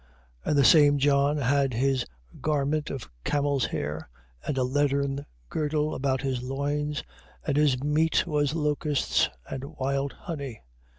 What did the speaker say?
3:4. And the same John had his garment of camel's hair, and a leathern girdle about his loins: and his meat was locusts and wild honey.